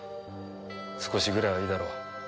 少しぐらいはいいだろう。